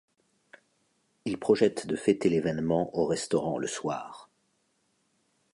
Ils projettent de fêter l’événement au restaurant le soir.